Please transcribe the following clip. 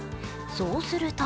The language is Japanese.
そうすると